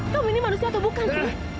tom ini manusia atau bukan sih